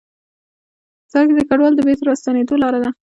سړک د کډوالو د بېرته راستنېدو لاره ده.